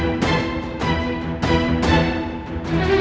loser besok cepat aja rumahku